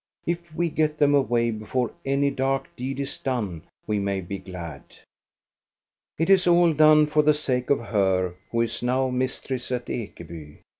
If we get them away before any dark deed is done, we may be glad. It is all done for the sake of her who is now mistress at Ekeby.